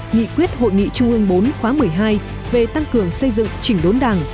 nghị quyết hội nghị trung ương bốn khóa một mươi hai về tăng cường xây dựng chỉnh đốn đảng